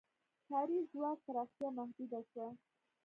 کاري ځواک پراختیا محدوده شوه.